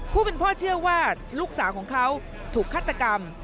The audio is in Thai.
ผู้เป็นพ่อเชื่อว่าลูกสาวของเขาถูกฆาตกรรม